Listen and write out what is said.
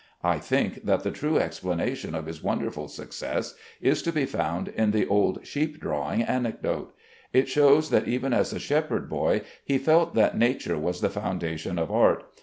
I think that the true explanation of his wonderful success is to be found in the old sheep drawing anecdote. It shows that even as a shepherd boy he felt that nature was the foundation of art.